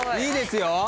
いいですよ。